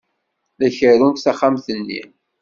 La kerrunt taxxamt-nni.